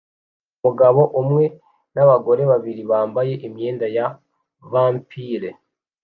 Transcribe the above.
Umugabo umwe nabagore babiri bambaye imyenda ya vampire